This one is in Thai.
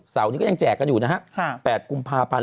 เสาร์นี้ก็ยังแจกกันอยู่นะฮะ๘กุมภาพันธ์